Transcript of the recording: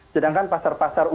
sedangkan pasar pasar untuk